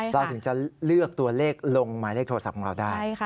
เราถึงจะเลือกตัวเลขลงหมายเลขโทรศัพท์ของเราได้